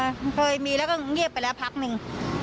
เคยมีแล้วก็เงียบไปแล้วพักหนึ่ง